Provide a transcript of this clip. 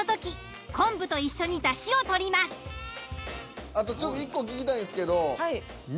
炙ったあとちょっと１個聞きたいんですけど。